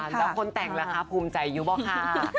แล้วคนแต่งแล้วค่ะภูมิใจอยู่หรือเปล่าค่ะ